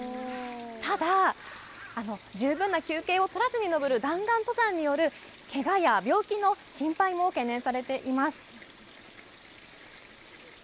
ただ、十分な休憩を取らずに登る弾丸登山によるけがや病気の心配も懸念されています。